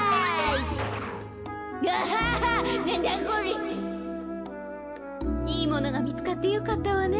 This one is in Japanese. いいものがみつかってよかったわね。